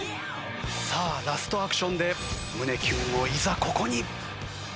さあラストアクションで胸キュンをいざここに。